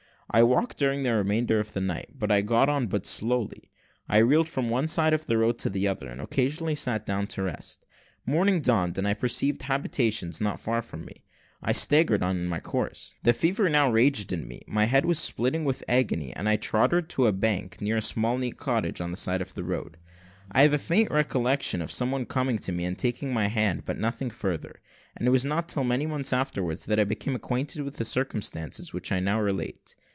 I walked during the remainder of the night, but I got on but slowly. I reeled from one side of the road to the other, and occasionally sat down to rest. Morning dawned, and I perceived habitations not far from me. I staggered on in my course. The fever now raged in me, my head was splitting with agony, and I tottered to a bank near a small neat cottage, on the side of the road. I have a faint recollection of some one coming to me and taking my hand, but nothing further; and it was not till many months afterwards, that I became acquainted with the circumstances which I now relate.